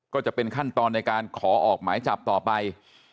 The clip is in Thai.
ก็จะเป็นขั้นตอนในการขอออกหมายจับต่อไป